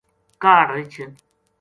کاہڈ رِچھ